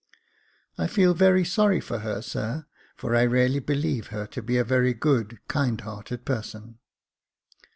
I feel very sorry for her, sir ; for I really believe her to be a very good, kind hearted person."